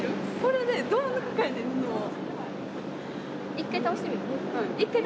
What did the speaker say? １回、倒してみる？